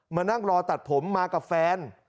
มานั่งรอตัดผมมากับแฟน